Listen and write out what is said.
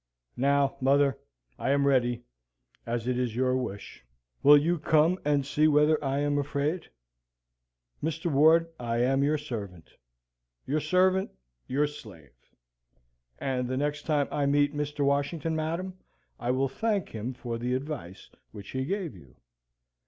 Now, mother, I am ready, as it is your wish. Will you come and see whether I am afraid? Mr. Ward, I am your servant. Your servant? Your slave! And the next time I meet Mr. Washington, madam, I will thank him for the advice which he gave you."